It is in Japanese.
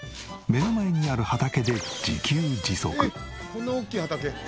こんな大きい畑。